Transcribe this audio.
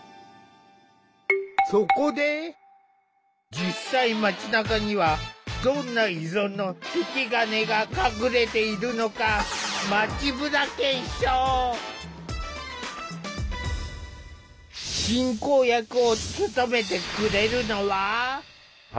実際街なかにはどんな依存の引き金が隠れているのか進行役を務めてくれるのは。